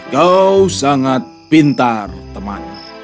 kau sangat pintar teman